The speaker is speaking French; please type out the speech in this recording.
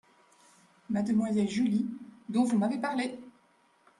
Mademoiselle Julie, dont vous m’avez parlé !